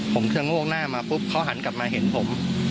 ผมจะโงกหน้ามาปุ๊บเขาหันกลับมาเห็นผม